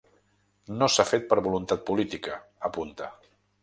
“No s’ha fet per voluntat política”, apunta.